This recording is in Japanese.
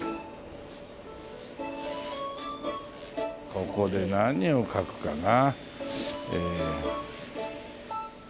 ここで何を描くかな。